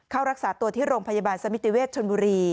เข้ารักษาตัวที่โรงพยาบาลสมิติเวชชนบุรี